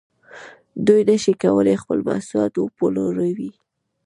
دوی نشي کولای خپل محصولات وپلوري